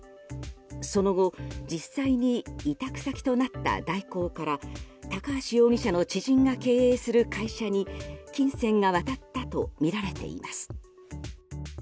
その後実際に委託先となった大広から高橋容疑者の知人が経営する会社に金銭が渡ったとみられています。